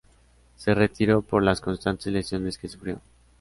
Se retiró, por las constantes lesiones que sufrió.